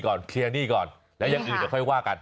เคลียร์หนี้ก่อนแล้วอย่างอื่นเดี๋ยวค่อยว่ากัน